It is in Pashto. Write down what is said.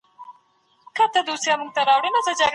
د جګړو له امله ټول ښوونځي خلاص نه وو.